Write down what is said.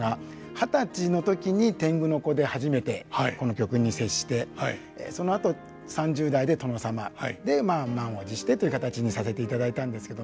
二十歳の時に天狗の子で初めてこの曲に接してそのあと３０代で殿様。で満を持してという形にさせていただいたんですけど。